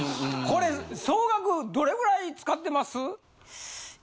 これ総額どれぐらい使ってます？